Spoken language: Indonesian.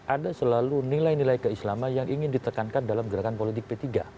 ada selalu nilai nilai keislaman yang ingin ditekankan dalam gerakan politik p tiga